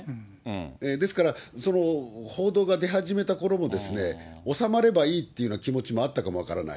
ですから、その報道が出始めたころも、収まればいいっていうような気持ちもあったかも分からない。